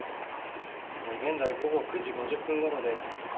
現在、午後９時５０分ごろです。